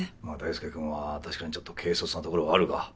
まあ大輔君は確かにちょっと軽率なところはあるが。